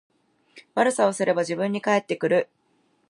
悪さをすれば自分に返ってくる